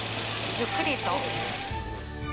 ゆっくりと。